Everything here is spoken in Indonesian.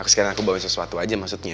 sekarang aku bawa sesuatu aja maksudnya